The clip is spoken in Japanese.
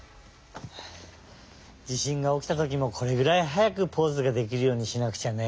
地しんがおきたときもこれぐらいはやくポーズができるようにしなくちゃね。